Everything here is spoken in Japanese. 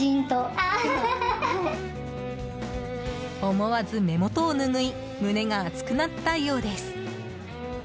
思わず目元を拭い胸が熱くなったようです。